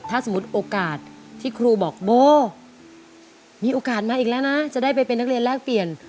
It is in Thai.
ถ้าสมมุติโอกาสที่ครูบอกโบมีโอกาสมาอีกแล้วนะจะได้ไปเป็นนักเรียนแลกเปลี่ยน